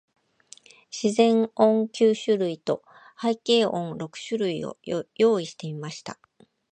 自然音九種類と、背景音六種類を用意してみました。